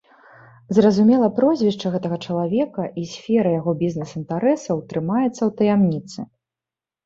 Зразумела, прозвішча гэтага чалавека і сфера яго бізнес-інтарэсаў трымаецца ў таямніцы.